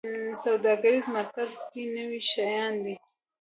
سوداګریز مرکز کې نوي شیان دي